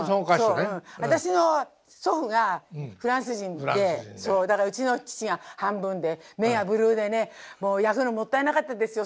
私の祖父がフランス人でそうだからうちの父が半分で目がブルーでねもったいなかったですよ